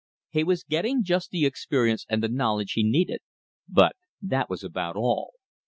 He was getting just the experience and the knowledge he needed; but that was about all.